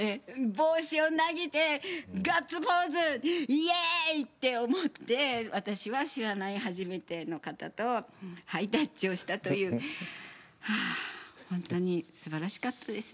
帽子を投げてガッツポーズイエーイ！って思って私は知らない初めての方とハイタッチをしたという本当にすばらしかったですね。